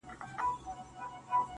دا زما د کوچنيوالي غزل دی ,,